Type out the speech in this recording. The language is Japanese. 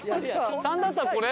「３」だったらこれ？